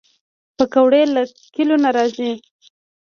پکورې له کلیو نه راځي